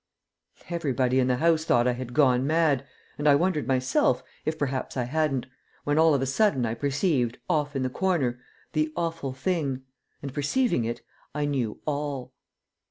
Everybody in the house thought I had gone mad, and I wondered myself if perhaps I hadn't, when all of a sudden I perceived, off in the corner, the Awful Thing, and perceiving it, I knew all.